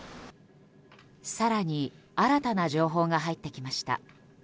更に新たな情報が入ってきました。